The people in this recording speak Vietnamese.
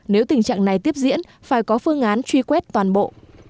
nếu tình trạng này tiếp diễn phải có phương án truy quét toàn bộ